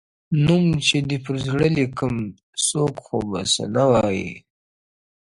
نوم چي دي پر زړه لیکم څوک خو به څه نه وايي -